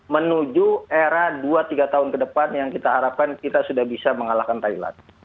menuju era dua tiga tahun ke depan yang kita harapkan kita sudah bisa mengalahkan thailand